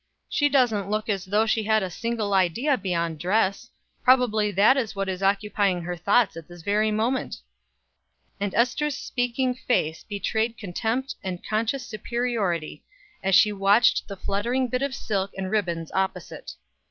She doesn't look as though she had a single idea beyond dress; probably that is what is occupying her thoughts at this very moment;" and Ester's speaking face betrayed contempt and conscious superiority, as she watched the fluttering bit of silk and ribbons opposite.